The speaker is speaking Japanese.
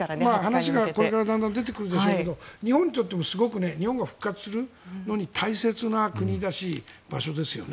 話がこれからどんどん出てくるでしょうけど日本にとってすごく日本が復活するのに大切な国だし、場所ですよね。